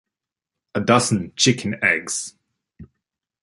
A dozen chicken eggs.